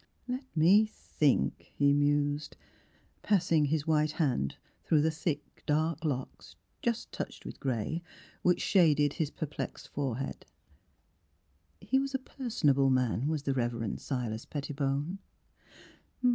"Let me think,'' he mused, passing his white hand through the thick, dark locks, just 59 The Transfiguration of touched with gray, which shaded his perplexed forehead. He was a personable man, was the Rev. Silas Pettibone.